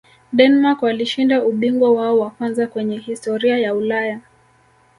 denmark walishinda ubingwa wao wa kwanza kwenye historia ya ulaya